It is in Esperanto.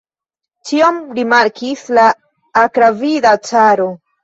Ĉion rimarkis la akravida caro!